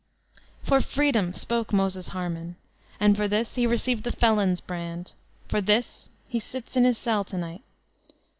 For freedom spoke Moses Harman, and for this he received the felon's brand. For this he sits in his cell to night.